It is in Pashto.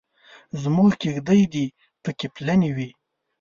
زموږ کېږدۍ دې پکې پلنې وي.